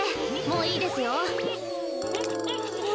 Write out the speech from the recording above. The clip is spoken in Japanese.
もういいですよ。